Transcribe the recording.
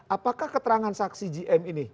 apakah keterangan saksi gm ini